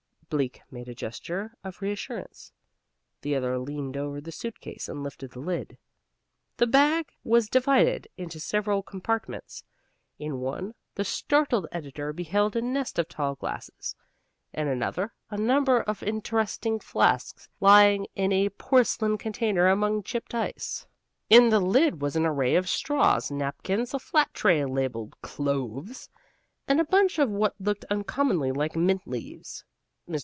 Bleak made a gesture of reassurance. The other leaned over the suit case and lifted the lid. The bag was divided into several compartments. In one, the startled editor beheld a nest of tall glasses; in another, a number of interesting flasks lying in a porcelain container among chipped ice. In the lid was an array of straws, napkins, a flat tray labeled CLOVES, and a bunch of what looked uncommonly like mint leaves. Mr.